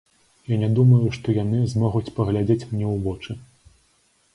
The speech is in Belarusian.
Я не думаю, што яны змогуць паглядзець мне ў вочы.